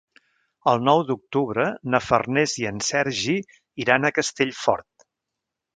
El nou d'octubre na Farners i en Sergi iran a Castellfort.